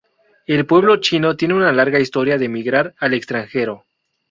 El pueblo chino tiene una larga historia de migrar al extranjero.